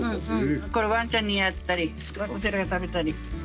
これワンちゃんにやったり私らが食べたり。